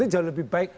itu jauh lebih baik